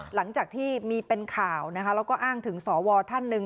หลังจากที่มีเป็นข่าวนะคะแล้วก็อ้างถึงสวท่านหนึ่ง